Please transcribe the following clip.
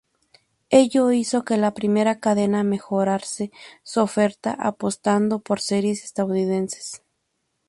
Ello hizo que la primera cadena mejorase su oferta, apostando por series estadounidenses.